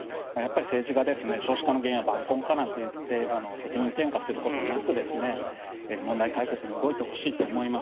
政治が少子化の原因は晩婚化なんて責任転嫁することなく問題解決に動いてほしいと思います。